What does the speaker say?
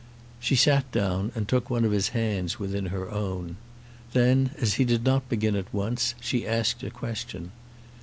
She sat down and took one of his hands within her own. Then, as he did not begin at once, she asked a question.